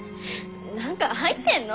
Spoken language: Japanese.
何か入ってんの？